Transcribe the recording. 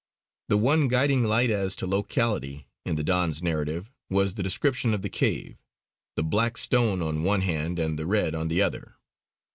The one guiding light as to locality in the Don's narrative was the description of the cave "the black stone on one hand and the red on the other."